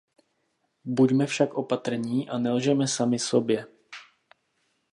Buďme však opatrní a nelžeme sami sobě.